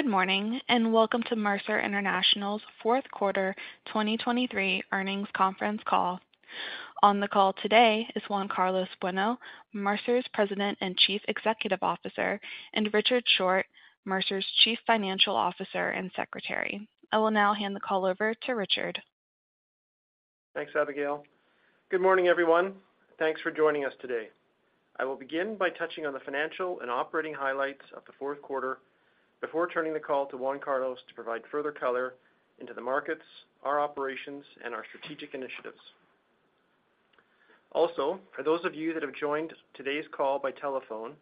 Good morning and welcome to Mercer International's fourth quarter 2023 earnings conference call. On the call today is Juan Carlos Bueno, Mercer's President and Chief Executive Officer, and Richard Short, Mercer's Chief Financial Officer and Secretary. I will now hand the call over to Richard. Thanks, Abigail. Good morning, everyone. Thanks for joining us today. I will begin by touching on the financial and operating highlights of the fourth quarter before turning the call to Juan Carlos to provide further color into the markets, our operations, and our strategic initiatives. Also, for those of you that have joined today's call by telephone,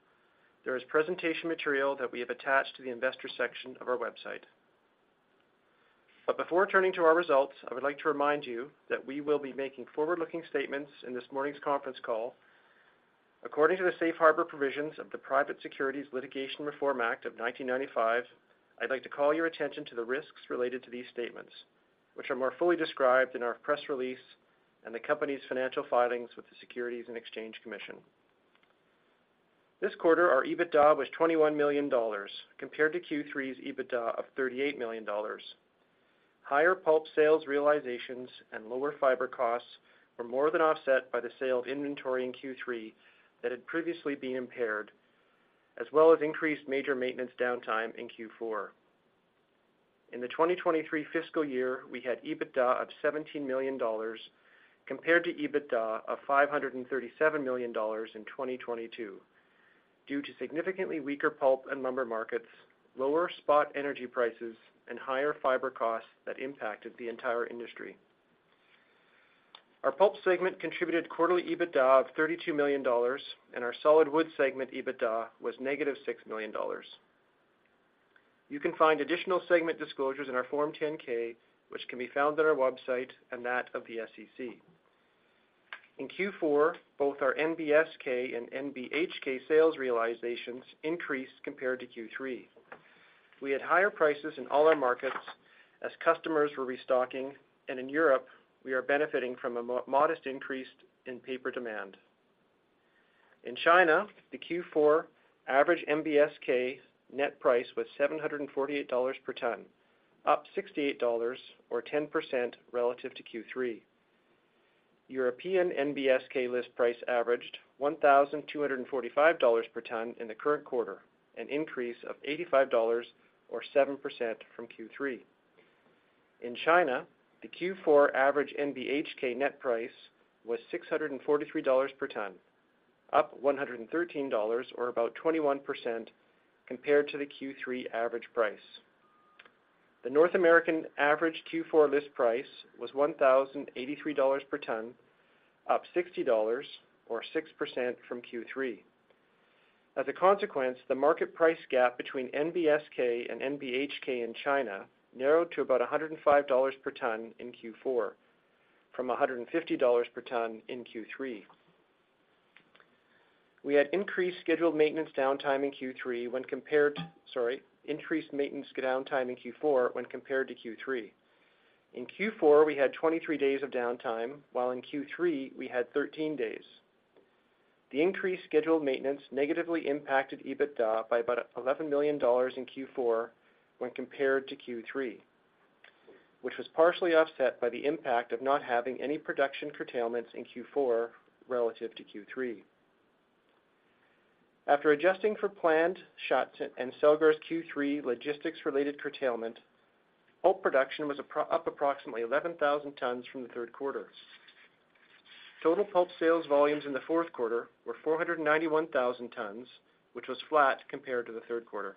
there is presentation material that we have attached to the investor section of our website. Before turning to our results, I would like to remind you that we will be making forward-looking statements in this morning's conference call. According to the Safe Harbor provisions of the Private Securities Litigation Reform Act of 1995, I'd like to call your attention to the risks related to these statements, which are more fully described in our press release and the company's financial filings with the Securities and Exchange Commission. This quarter, our EBITDA was $21 million compared to Q3's EBITDA of $38 million. Higher pulp sales realizations and lower fiber costs were more than offset by the sale of inventory in Q3 that had previously been impaired, as well as increased major maintenance downtime in Q4. In the 2023 fiscal year, we had EBITDA of $17 million compared to EBITDA of $537 million in 2022 due to significantly weaker pulp and lumber markets, lower spot energy prices, and higher fiber costs that impacted the entire industry. Our Pulp segment contributed quarterly EBITDA of $32 million, and our Solid Wood segment EBITDA was negative $6 million. You can find additional segment disclosures in our Form 10-K, which can be found on our website and that of the SEC. In Q4, both our NBSK and NBHK sales realizations increased compared to Q3. We had higher prices in all our markets as customers were restocking, and in Europe, we are benefiting from a modest increase in paper demand. In China, the Q4 average NBSK net price was $748 per ton, up $68 or 10% relative to Q3. European NBSK list price averaged $1,245 per ton in the current quarter, an increase of $85 or 7% from Q3. In China, the Q4 average NBHK net price was $643 per ton, up $113 or about 21% compared to the Q3 average price. The North American average Q4 list price was $1,083 per ton, up $60 or 6% from Q3. As a consequence, the market price gap between NBSK and NBHK in China narrowed to about $105 per ton in Q4 from $150 per ton in Q3. We had increased scheduled maintenance downtime in Q4 when compared to Q3. In Q4, we had 23 days of downtime, while in Q3, we had 13 days. The increased scheduled maintenance negatively impacted EBITDA by about $11 million in Q4 when compared to Q3, which was partially offset by the impact of not having any production curtailments in Q4 relative to Q3. After adjusting for planned and Celgar Q3 logistics-related curtailment, pulp production was up approximately 11,000 tons from the third quarter. Total pulp sales volumes in the fourth quarter were 491,000 tons, which was flat compared to the third quarter.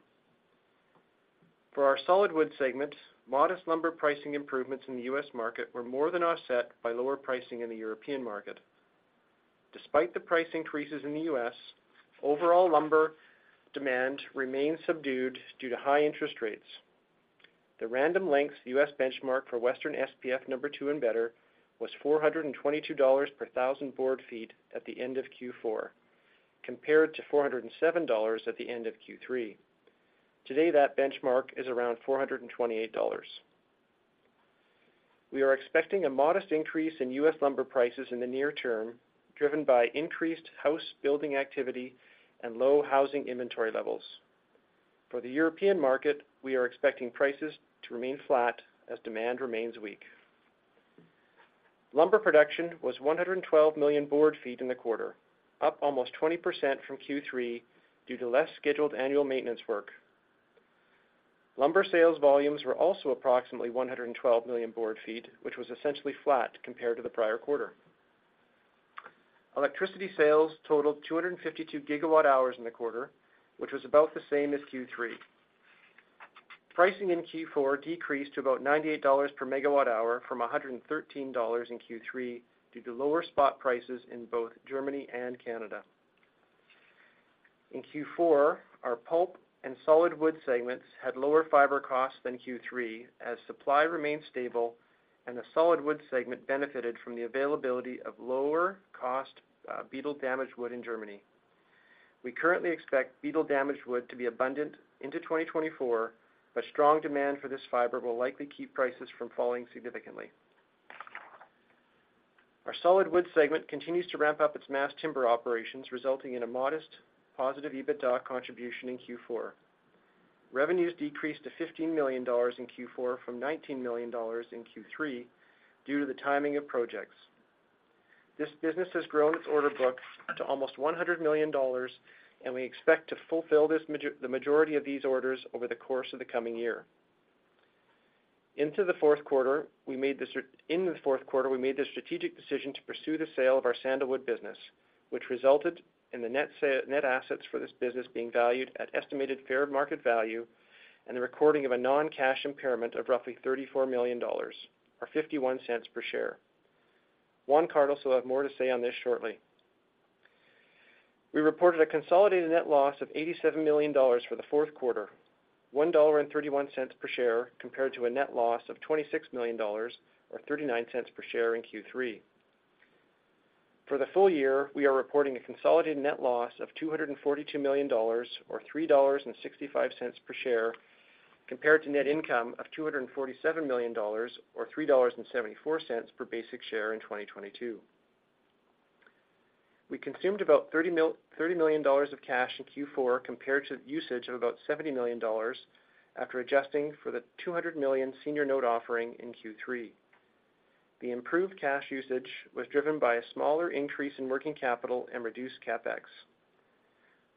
For our Solid Wood segment, modest lumber pricing improvements in the U.S. market were more than offset by lower pricing in the European market. Despite the price increases in the U.S., overall lumber demand remains subdued due to high interest rates. The random length U.S. benchmark for Western SPF number two and better was $422 per 1000 BF at the end of Q4 compared to $407 at the end of Q3. Today, that benchmark is around $428. We are expecting a modest increase in U.S. lumber prices in the near term driven by increased house building activity and low housing inventory levels. For the European market, we are expecting prices to remain flat as demand remains weak. Lumber production was 112 million BF in the quarter, up almost 20% from Q3 due to less scheduled annual maintenance work. Lumber sales volumes were also approximately 112 million BF, which was essentially flat compared to the prior quarter. Electricity sales totaled 252 GWh in the quarter, which was about the same as Q3. Pricing in Q4 decreased to about $98 per MWh from $113 in Q3 due to lower spot prices in both Germany and Canada. In Q4, our pulp and Solid Wood segments had lower fiber costs than Q3 as supply remained stable and the Solid Wood segment benefited from the availability of lower-cost beetle-damaged wood in Germany. We currently expect beetle-damaged wood to be abundant into 2024, but strong demand for this fiber will likely keep prices from falling significantly. Our Solid Wood segment continues to ramp up its mass timber operations, resulting in a modest positive EBITDA contribution in Q4. Revenues decreased to $15 million in Q4 from $19 million in Q3 due to the timing of projects. This business has grown its order book to almost $100 million, and we expect to fulfill the majority of these orders over the course of the coming year. Into the fourth quarter, we made the strategic decision to pursue the sale of our sandalwood business, which resulted in the net assets for this business being valued at estimated fair market value and the recording of a non-cash impairment of roughly $34 million or $0.51 per share. Juan Carlos will have more to say on this shortly. We reported a consolidated net loss of $87 million for the fourth quarter, $1.31 per share compared to a net loss of $26 million or $0.39 per share in Q3. For the full year, we are reporting a consolidated net loss of $242 million or $3.65 per share compared to net income of $247 million or $3.74 per basic share in 2022. We consumed about $30 million of cash in Q4 compared to the usage of about $70 million after adjusting for the $200 million senior note offering in Q3. The improved cash usage was driven by a smaller increase in working capital and reduced CapEx.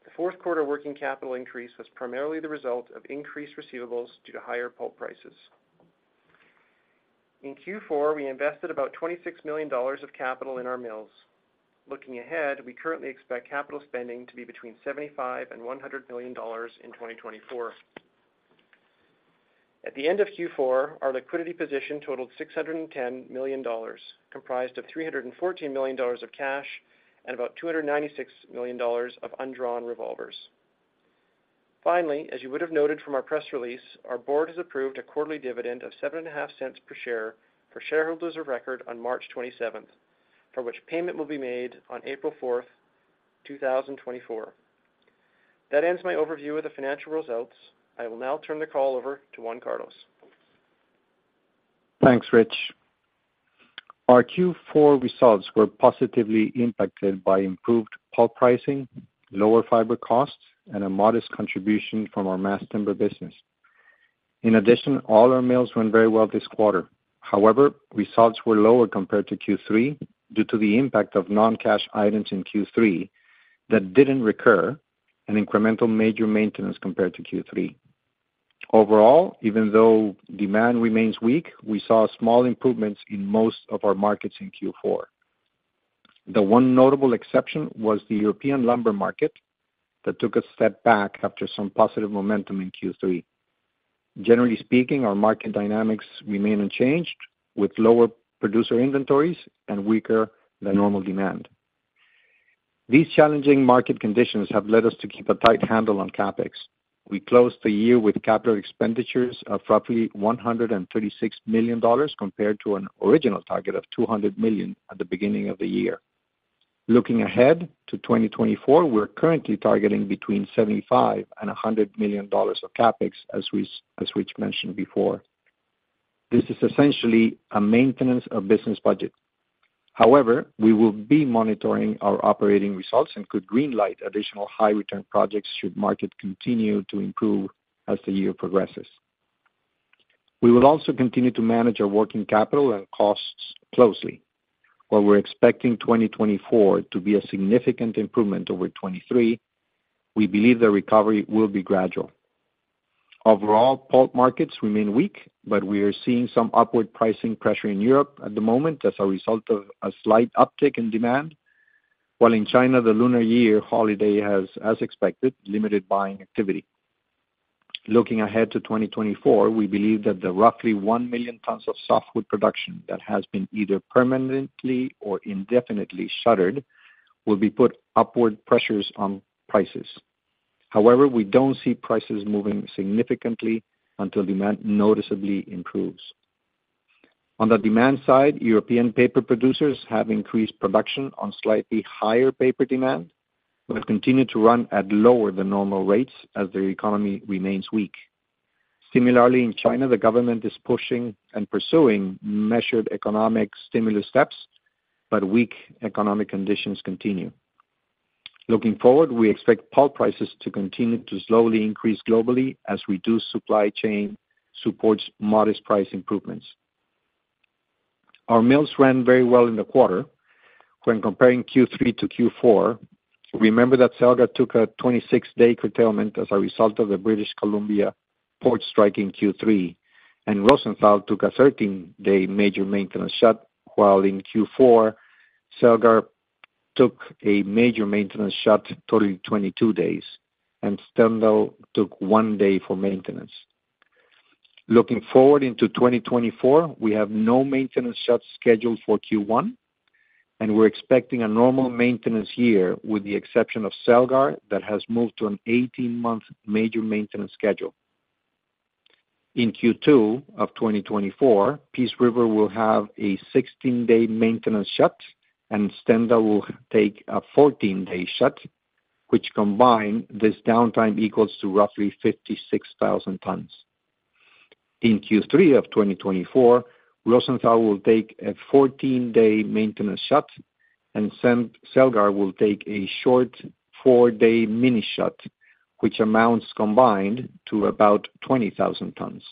The fourth quarter working capital increase was primarily the result of increased receivables due to higher pulp prices. In Q4, we invested about $26 million of capital in our mills. Looking ahead, we currently expect capital spending to be between $75 million-$100 million in 2024. At the end of Q4, our liquidity position totaled $610 million, comprised of $314 million of cash and about $296 million of undrawn revolvers. Finally, as you would have noted from our press release, our board has approved a quarterly dividend of $0.075 per share for shareholders of record on March 27th, for which payment will be made on April 4th, 2024. That ends my overview of the financial results. I will now turn the call over to Juan Carlos. Thanks, Rich. Our Q4 results were positively impacted by improved pulp pricing, lower fiber costs, and a modest contribution from our mass timber business. In addition, all our mills went very well this quarter. However, results were lower compared to Q3 due to the impact of non-cash items in Q3 that didn't recur, an incremental major maintenance compared to Q3. Overall, even though demand remains weak, we saw small improvements in most of our markets in Q4. The one notable exception was the European lumber market that took a step back after some positive momentum in Q3. Generally speaking, our market dynamics remain unchanged with lower producer inventories and weaker than normal demand. These challenging market conditions have led us to keep a tight handle on CapEx. We closed the year with capital expenditures of roughly $136 million compared to an original target of $200 million at the beginning of the year. Looking ahead to 2024, we're currently targeting between $75 and $100 million of CapEx, as Rich mentioned before. This is essentially a maintenance of business budget. However, we will be monitoring our operating results and could greenlight additional high-return projects should market continue to improve as the year progresses. We will also continue to manage our working capital and costs closely. While we're expecting 2024 to be a significant improvement over 2023, we believe the recovery will be gradual. Overall, pulp markets remain weak, but we are seeing some upward pricing pressure in Europe at the moment as a result of a slight uptick in demand, while in China, the Lunar New Year holiday has, as expected, limited buying activity. Looking ahead to 2024, we believe that the roughly 1 million tons of softwood production that has been either permanently or indefinitely shuttered will be put upward pressures on prices. However, we don't see prices moving significantly until demand noticeably improves. On the demand side, European paper producers have increased production on slightly higher paper demand but continue to run at lower than normal rates as their economy remains weak. Similarly, in China, the government is pushing and pursuing measured economic stimulus steps, but weak economic conditions continue. Looking forward, we expect pulp prices to continue to slowly increase globally as reduced supply chain supports modest price improvements. Our mills ran very well in the quarter. When comparing Q3 to Q4, remember that Celgar took a 26-day curtailment as a result of the British Columbia port strike in Q3, and Rosenthal took a 13-day major maintenance shut, while in Q4, Celgar took a major maintenance shut totaling 22 days, and Stendal took one day for maintenance. Looking forward into 2024, we have no maintenance shut scheduled for Q1, and we're expecting a normal maintenance year with the exception of Celgar that has moved to an 18-month major maintenance schedule. In Q2 of 2024, Peace River will have a 16-day maintenance shut, and Stendal will take a 14-day shut, which combined this downtime equals to roughly 56,000 tons. In Q3 of 2024, Rosenthal will take a 14-day maintenance shut, and Celgar will take a short 4-day mini shut, which amounts combined to about 20,000 tons.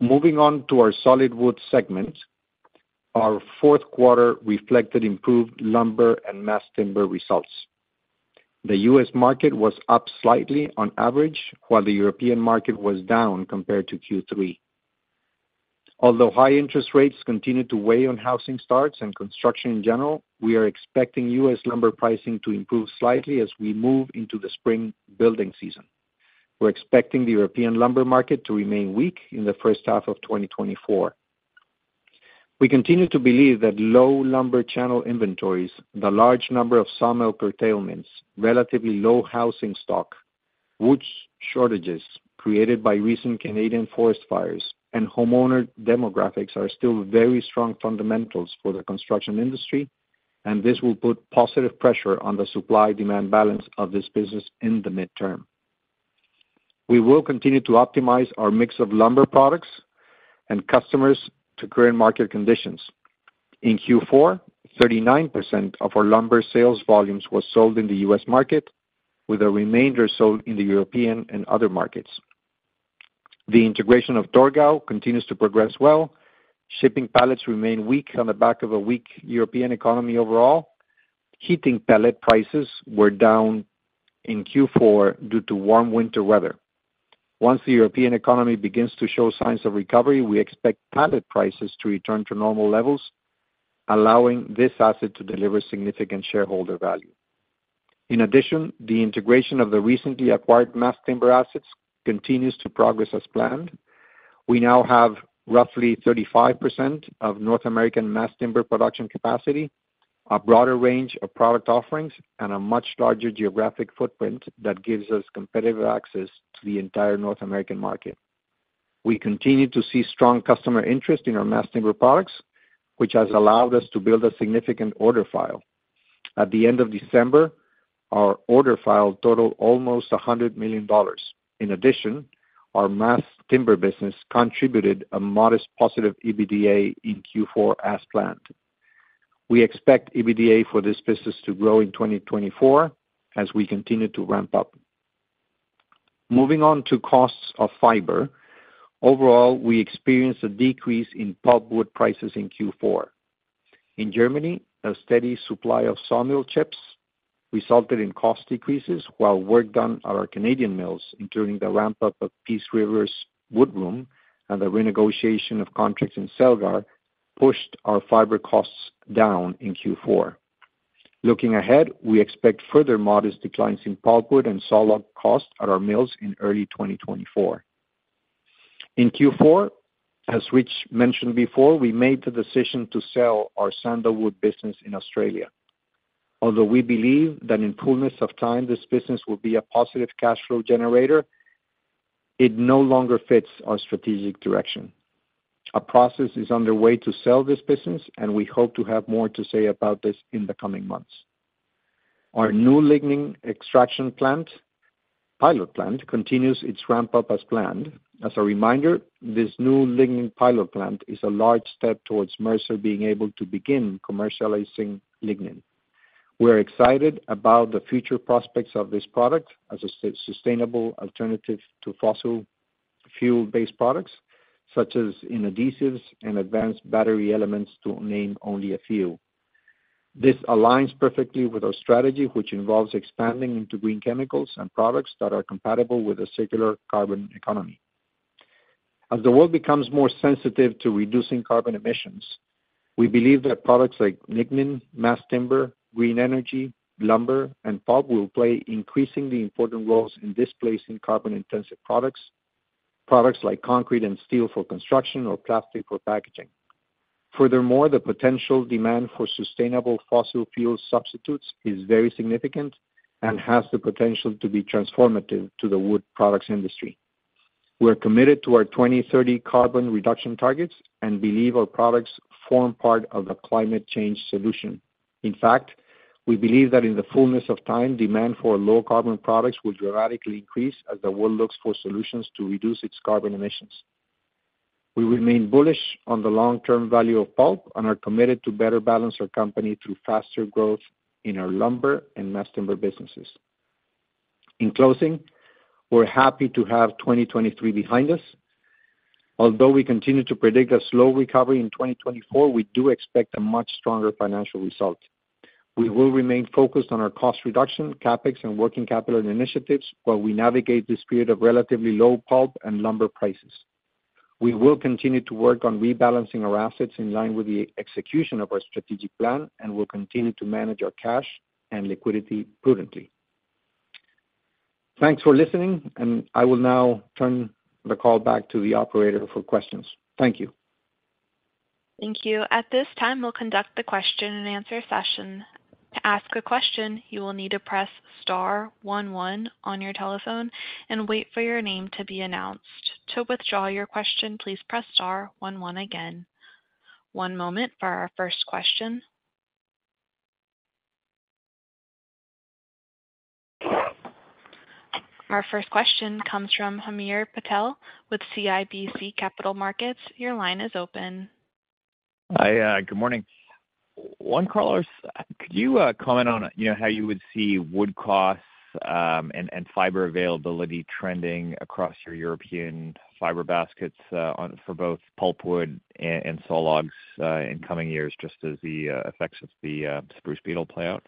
Moving on to our Solid Wood segment, our fourth quarter reflected improved lumber and mass timber results. The U.S. market was up slightly on average, while the European market was down compared to Q3. Although high interest rates continue to weigh on housing starts and construction in general, we are expecting U.S. lumber pricing to improve slightly as we move into the spring building season. We're expecting the European lumber market to remain weak in the first half of 2024. We continue to believe that low lumber channel inventories, the large number of sawmill curtailments, relatively low housing stock, wood shortages created by recent Canadian forest fires, and homeowner demographics are still very strong fundamentals for the construction industry, and this will put positive pressure on the supply-demand balance of this business in the midterm. We will continue to optimize our mix of lumber products and customers to current market conditions. In Q4, 39% of our lumber sales volumes were sold in the U.S. market, with the remainder sold in the European and other markets. The integration of Torgau continues to progress well. Shipping pallets remain weak on the back of a weak European economy overall. Heating pallet prices were down in Q4 due to warm winter weather. Once the European economy begins to show signs of recovery, we expect pallet prices to return to normal levels, allowing this asset to deliver significant shareholder value. In addition, the integration of the recently acquired mass timber assets continues to progress as planned. We now have roughly 35% of North American mass timber production capacity, a broader range of product offerings, and a much larger geographic footprint that gives us competitive access to the entire North American market. We continue to see strong customer interest in our mass timber products, which has allowed us to build a significant order file. At the end of December, our order file totaled almost $100 million. In addition, our mass timber business contributed a modest positive EBITDA in Q4 as planned. We expect EBITDA for this business to grow in 2024 as we continue to ramp up. Moving on to costs of fiber, overall, we experienced a decrease in pulpwood prices in Q4. In Germany, a steady supply of sawmill chips resulted in cost decreases, while work done at our Canadian mills, including the ramp-up of Peace River's wood room and the renegotiation of contracts in Celgar, pushed our fiber costs down in Q4. Looking ahead, we expect further modest declines in pulpwood and sawlog costs at our mills in early 2024. In Q4, as Rich mentioned before, we made the decision to sell our sandalwood business in Australia. Although we believe that in fullness of time, this business will be a positive cash flow generator, it no longer fits our strategic direction. A process is underway to sell this business, and we hope to have more to say about this in the coming months. Our new lignin extraction pilot plant continues its ramp-up as planned. As a reminder, this new lignin pilot plant is a large step towards Mercer being able to begin commercializing lignin. We're excited about the future prospects of this product as a sustainable alternative to fossil fuel-based products such as adhesives and advanced battery elements to name only a few. This aligns perfectly with our strategy, which involves expanding into green chemicals and products that are compatible with a circular carbon economy. As the world becomes more sensitive to reducing carbon emissions, we believe that products like lignin, mass timber, green energy, lumber, and pulp will play increasingly important roles in displacing carbon-intensive products, products like concrete and steel for construction or plastic for packaging. Furthermore, the potential demand for sustainable fossil fuel substitutes is very significant and has the potential to be transformative to the wood products industry. We're committed to our 2030 carbon reduction targets and believe our products form part of a climate change solution. In fact, we believe that in the fullness of time, demand for low-carbon products will dramatically increase as the world looks for solutions to reduce its carbon emissions. We remain bullish on the long-term value of pulp and are committed to better balance our company through faster growth in our lumber and mass timber businesses. In closing, we're happy to have 2023 behind us. Although we continue to predict a slow recovery in 2024, we do expect a much stronger financial result. We will remain focused on our cost reduction, CapEx, and working capital initiatives while we navigate this period of relatively low pulp and lumber prices. We will continue to work on rebalancing our assets in line with the execution of our strategic plan and will continue to manage our cash and liquidity prudently. Thanks for listening, and I will now turn the call back to the operator for questions. Thank you. Thank you. At this time, we'll conduct the question-and-answer session. To ask a question, you will need to press star one one on your telephone and wait for your name to be announced. To withdraw your question, please press star one one again. One moment for our first question. Our first question comes from Hamir Patel with CIBC Capital Markets. Your line is open. Hi. Good morning. Juan Carlos, could you comment on how you would see wood costs and fiber availability trending across your European fiber baskets for both pulpwood and sawlogs in coming years just as the effects of the spruce beetle play out?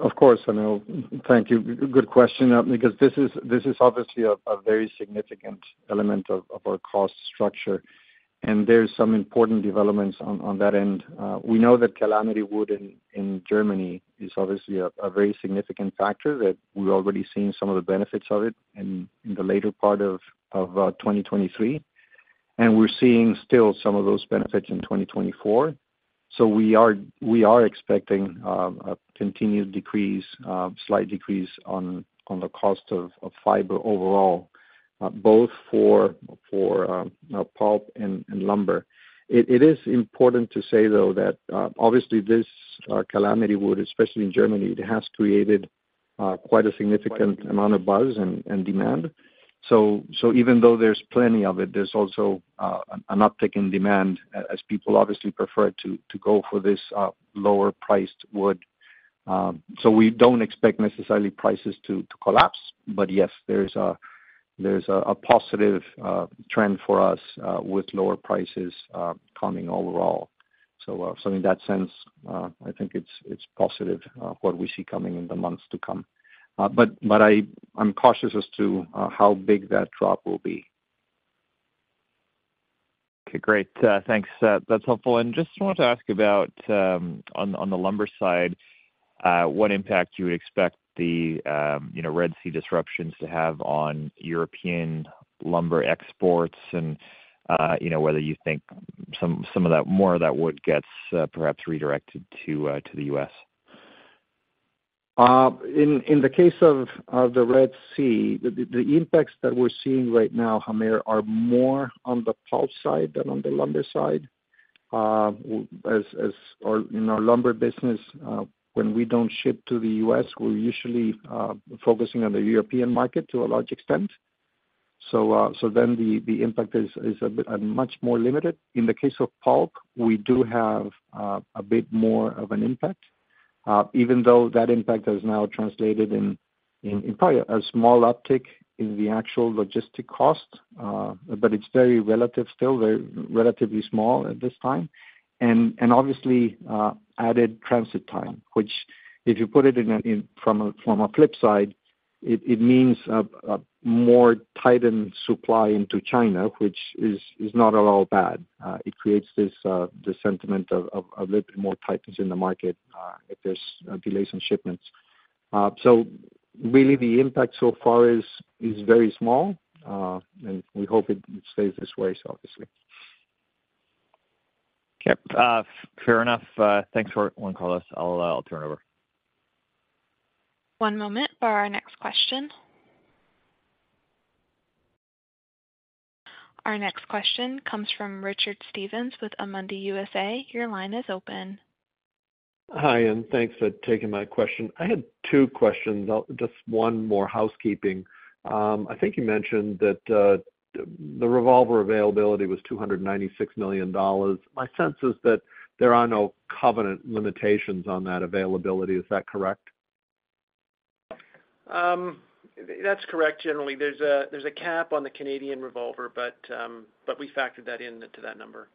Of course. Thank you. Good question because this is obviously a very significant element of our cost structure, and there's some important developments on that end. We know that calamity wood in Germany is obviously a very significant factor that we're already seeing some of the benefits of it in the later part of 2023, and we're seeing still some of those benefits in 2024. So we are expecting a continued decrease, slight decrease on the cost of fiber overall, both for pulp and lumber. It is important to say, though, that obviously this calamity wood, especially in Germany, it has created quite a significant amount of buzz and demand. So even though there's plenty of it, there's also an uptick in demand as people obviously prefer to go for this lower-priced wood. So we don't expect necessarily prices to collapse, but yes, there's a positive trend for us with lower prices coming overall. So in that sense, I think it's positive what we see coming in the months to come, but I'm cautious as to how big that drop will be. Okay. Great. Thanks. That's helpful. Just wanted to ask about, on the lumber side, what impact you would expect the Red Sea disruptions to have on European lumber exports and whether you think some more of that wood gets perhaps redirected to the U.S.? In the case of the Red Sea, the impacts that we're seeing right now, Hamir, are more on the pulp side than on the lumber side. In our lumber business, when we don't ship to the U.S., we're usually focusing on the European market to a large extent. So then the impact is much more limited. In the case of pulp, we do have a bit more of an impact, even though that impact has now translated in probably a small uptick in the actual logistic cost, but it's very relative still, relatively small at this time, and obviously added transit time, which if you put it from a flip side, it means a more tightened supply into China, which is not at all bad. It creates this sentiment of a little bit more tightness in the market if there's delays on shipments. So really, the impact so far is very small, and we hope it stays this way, obviously. Yep. Fair enough. Thanks for it, Juan Carlos. I'll turn it over. One moment for our next question. Our next question comes from Richard Stevens with Amundi USA. Your line is open. Hi, and thanks for taking my question. I had two questions, just one more housekeeping. I think you mentioned that the revolver availability was $296 million. My sense is that there are no covenant limitations on that availability. Is that correct? That's correct, generally. There's a cap on the Canadian revolver, but we factored that into that number.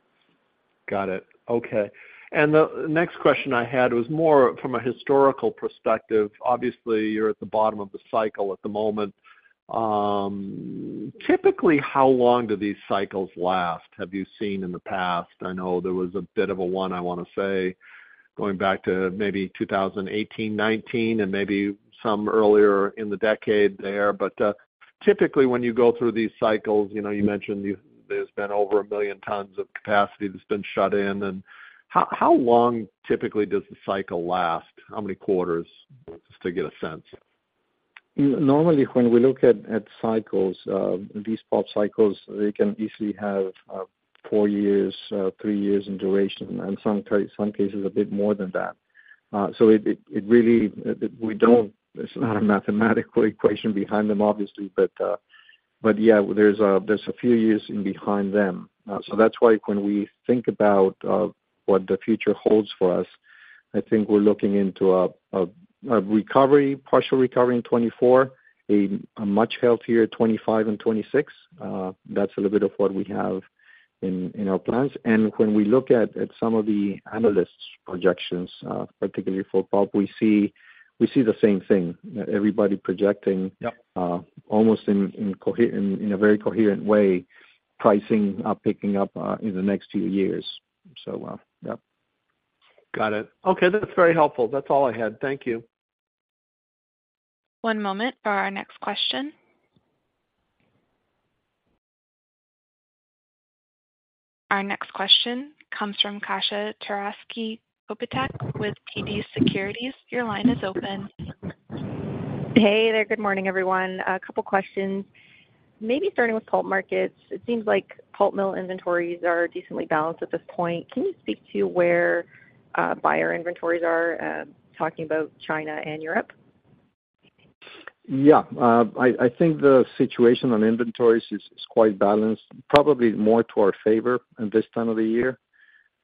Got it. Okay. And the next question I had was more from a historical perspective. Obviously, you're at the bottom of the cycle at the moment. Typically, how long do these cycles last? Have you seen in the past? I know there was a bit of a one, I want to say, going back to maybe 2018, 2019, and maybe some earlier in the decade there. But typically, when you go through these cycles, you mentioned there's been over 1 million tons of capacity that's been shut in. And how long typically does the cycle last? How many quarters? Just to get a sense. Normally, when we look at cycles, these pulp cycles, they can easily have four years, three years in duration, and in some cases, a bit more than that. So, it really, we don't. There's not a mathematical equation behind them, obviously, but yeah, there's a few years behind them. So that's why when we think about what the future holds for us, I think we're looking into a recovery, partial recovery in 2024, a much healthier 2025 and 2026. That's a little bit of what we have in our plans. And when we look at some of the analysts' projections, particularly for pulp, we see the same thing, everybody projecting almost in a very coherent way pricing picking up in the next few years. So yeah. Got it. Okay. That's very helpful. That's all I had. Thank you. One moment for our next question. Our next question comes from Kasia Trzaski Kopytek with TD Securities. Your line is open. Hey there. Good morning, everyone. A couple of questions. Maybe starting with pulp markets. It seems like pulp mill inventories are decently balanced at this point. Can you speak to where buyer inventories are, talking about China and Europe? Yeah. I think the situation on inventories is quite balanced, probably more to our favor at this time of the year.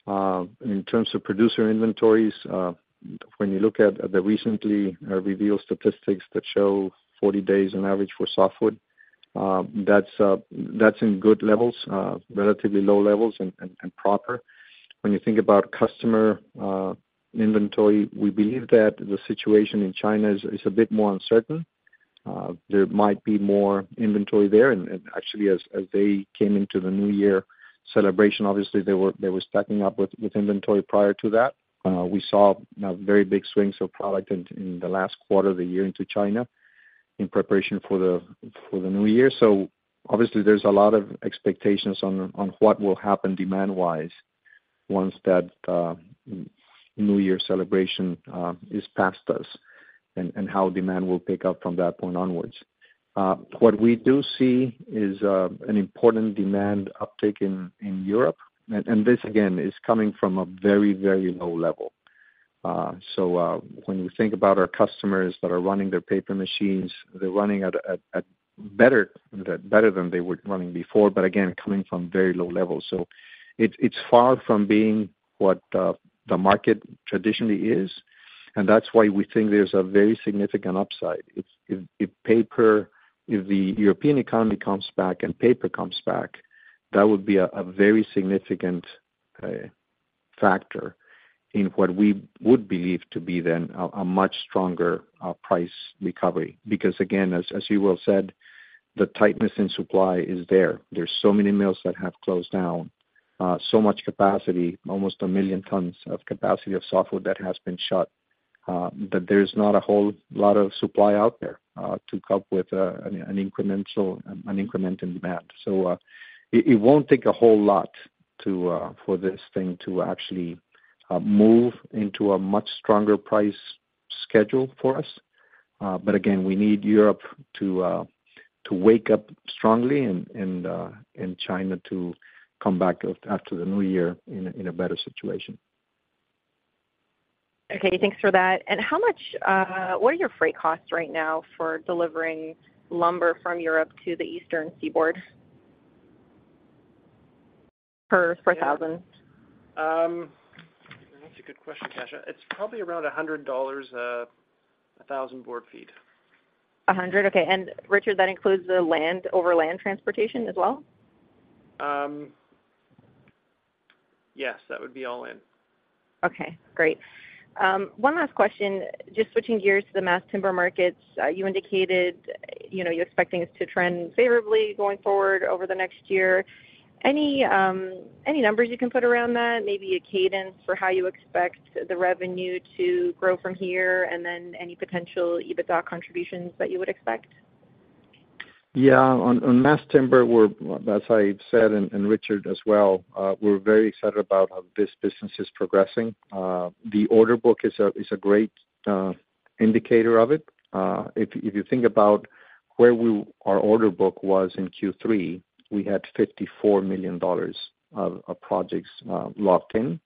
In terms of producer inventories, when you look at the recently revealed statistics that show 40 days on average for softwood, that's in good levels, relatively low levels, and proper. When you think about customer inventory, we believe that the situation in China is a bit more uncertain. There might be more inventory there. And actually, as they came into the New Year celebration, obviously, they were stacking up with inventory prior to that. We saw very big swings of product in the last quarter of the year into China in preparation for the New Year. So obviously, there's a lot of expectations on what will happen demand-wise once that New Year celebration is past us and how demand will pick up from that point onwards. What we do see is an important demand uptick in Europe, and this, again, is coming from a very, very low level. So when we think about our customers that are running their paper machines, they're running better than they were running before, but again, coming from very low levels. So it's far from being what the market traditionally is, and that's why we think there's a very significant upside. If the European economy comes back and paper comes back, that would be a very significant factor in what we would believe to be then a much stronger price recovery because, again, as you well said, the tightness in supply is there. There's so many mills that have closed down, so much capacity, almost 1 million tons of capacity of softwood that has been shut that there's not a whole lot of supply out there to cope with an increment in demand. So it won't take a whole lot for this thing to actually move into a much stronger price schedule for us. But again, we need Europe to wake up strongly and China to come back after the new year in a better situation. Okay. Thanks for that. What are your freight costs right now for delivering lumber from Europe to the Eastern Seaboard per 1,000? That's a good question, Kasia. It's probably around $100 a 1,000 BF. Okay. And Richard, that includes the overland transportation as well? Yes. That would be all in. Okay. Great. One last question. Just switching gears to the mass timber markets, you indicated you're expecting it to trend favorably going forward over the next year. Any numbers you can put around that, maybe a cadence for how you expect the revenue to grow from here, and then any potential EBITDA contributions that you would expect? Yeah. On mass timber, as I said and Richard as well, we're very excited about how this business is progressing. The order book is a great indicator of it. If you think about where our order book was in Q3, we had $54 million of projects locked in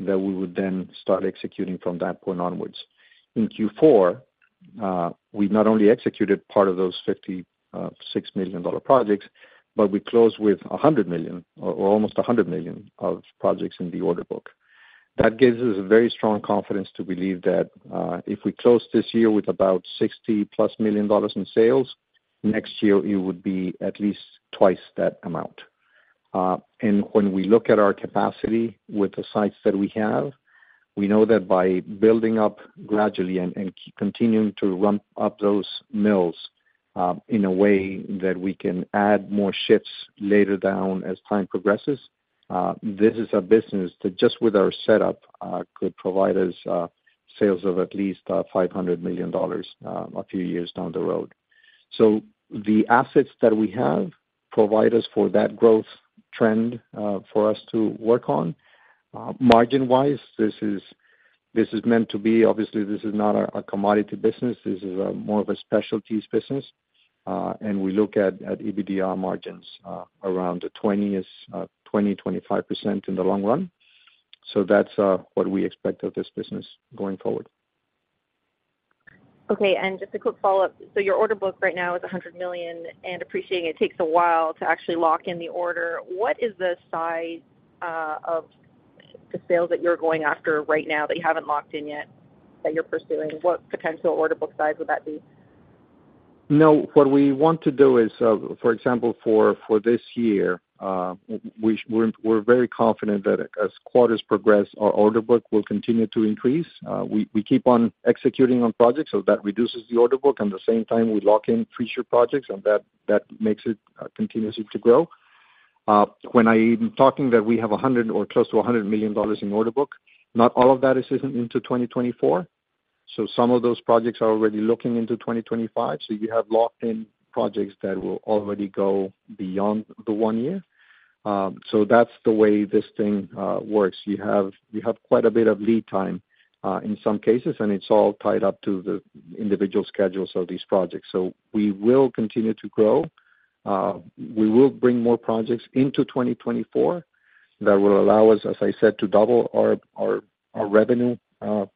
that we would then start executing from that point onwards. In Q4, we not only executed part of those $56 million projects, but we closed with $100 million or almost $100 million of projects in the order book. That gives us very strong confidence to believe that if we close this year with about $60+ million in sales, next year it would be at least twice that amount. When we look at our capacity with the sites that we have, we know that by building up gradually and continuing to ramp up those mills in a way that we can add more shifts later down as time progresses, this is a business that just with our setup could provide us sales of at least $500 million a few years down the road. So the assets that we have provide us for that growth trend for us to work on. Margin-wise, this is meant to be obviously, this is not a commodity business. This is more of a specialties business, and we look at EBITDA margins around 20%-25% in the long run. So that's what we expect of this business going forward. Okay. And just a quick follow-up. So your order book right now is $100 million, and appreciating it takes a while to actually lock in the order. What is the size of the sales that you're going after right now that you haven't locked in yet that you're pursuing? What potential order book size would that be? No. What we want to do is, for example, for this year, we're very confident that as quarters progress, our order book will continue to increase. We keep on executing on projects, so that reduces the order book, and at the same time, we lock in future projects, and that makes it continuously to grow. When I'm talking that we have 100 or close to $100 million in order book, not all of that is into 2024. So some of those projects are already looking into 2025. So you have locked-in projects that will already go beyond the one year. So that's the way this thing works. You have quite a bit of lead time in some cases, and it's all tied up to the individual schedules of these projects. So we will continue to grow. We will bring more projects into 2024 that will allow us, as I said, to double our revenue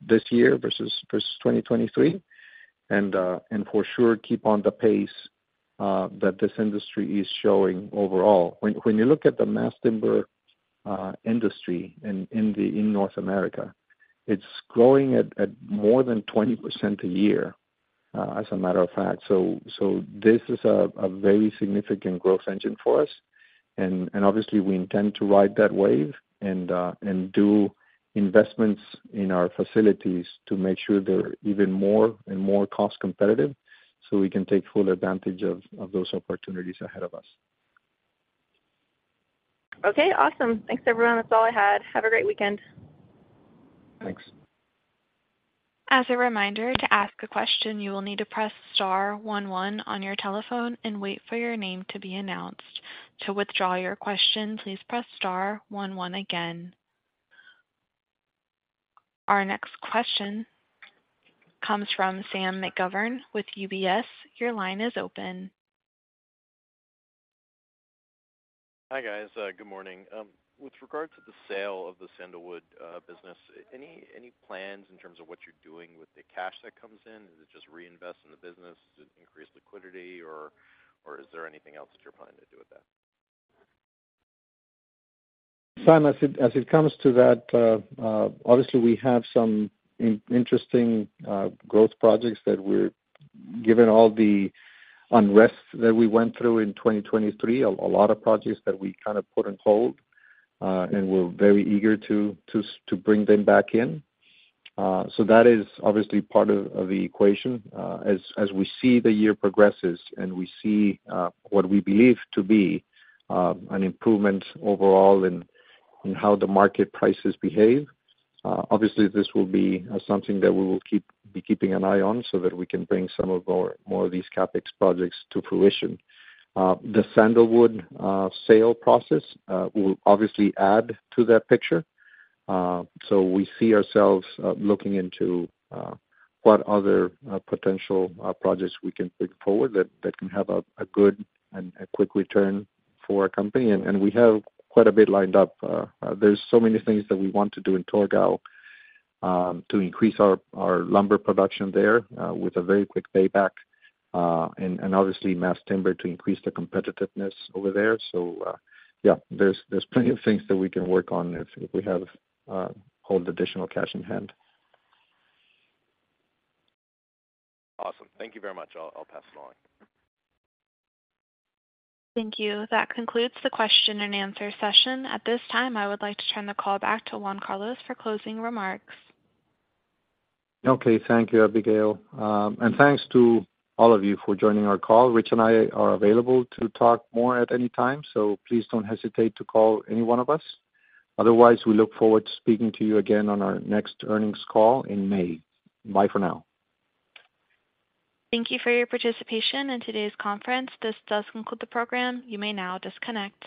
this year versus 2023 and for sure keep on the pace that this industry is showing overall. When you look at the mass timber industry in North America, it's growing at more than 20% a year, as a matter of fact. So this is a very significant growth engine for us. And obviously, we intend to ride that wave and do investments in our facilities to make sure they're even more and more cost-competitive so we can take full advantage of those opportunities ahead of us. Okay. Awesome. Thanks, everyone. That's all I had. Have a great weekend. Thanks. As a reminder to ask a question, you will need to press star one one on your telephone and wait for your name to be announced. To withdraw your question, please press star one one again. Our next question comes from Sam McGovern with UBS. Your line is open. Hi, guys. Good morning. With regard to the sale of the sandalwood business, any plans in terms of what you're doing with the cash that comes in? Is it just reinvest in the business? Is it increase liquidity, or is there anything else that you're planning to do with that? Sam, as it comes to that, obviously, we have some interesting growth projects that we're given all the unrest that we went through in 2023, a lot of projects that we kind of put on hold, and we're very eager to bring them back in. That is obviously part of the equation. As we see the year progresses and we see what we believe to be an improvement overall in how the market prices behave, obviously, this will be something that we will be keeping an eye on so that we can bring some of more of these CapEx projects to fruition. The sandalwood sale process will obviously add to that picture. We see ourselves looking into what other potential projects we can bring forward that can have a good and quick return for our company. We have quite a bit lined up. There's so many things that we want to do in Torgau to increase our lumber production there with a very quick payback and obviously mass timber to increase the competitiveness over there. So yeah, there's plenty of things that we can work on if we have all the additional cash in hand. Awesome. Thank you very much. I'll pass it along. Thank you. That concludes the question-and-answer session. At this time, I would like to turn the call back to Juan Carlos for closing remarks. Okay. Thank you, Abigail. And thanks to all of you for joining our call. Rich and I are available to talk more at any time, so please don't hesitate to call any one of us. Otherwise, we look forward to speaking to you again on our next earnings call in May. Bye for now. Thank you for your participation in today's conference. This does conclude the program. You may now disconnect.